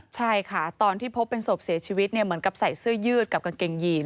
ใช่ค่ะตอนที่พบเป็นศพเสียชีวิตเหมือนกับใส่เสื้อยืดกับกางเกงยีน